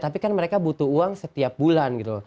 tapi kan mereka butuh uang setiap bulan gitu